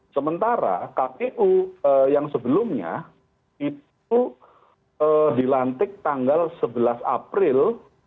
sementara kpu yang sebelumnya itu dilantik tanggal sebelas april